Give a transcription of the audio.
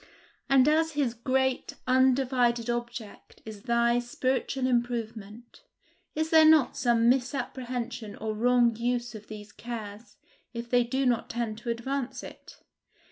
And as his great, undivided object is thy spiritual improvement, is there not some misapprehension or wrong use of these cares, if they do not tend to advance it?